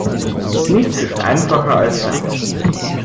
Nichts ist einfacher als das.